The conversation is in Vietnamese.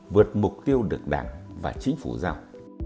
vượt mục tiêu được đảng và chính phủ giao